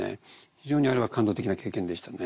非常にあれは感動的な経験でしたね。